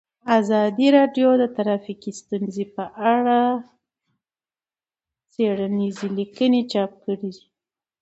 ازادي راډیو د ټرافیکي ستونزې په اړه څېړنیزې لیکنې چاپ کړي.